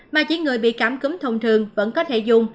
mà chỉ người bị cảm cúm thông thường vẫn có thể dùng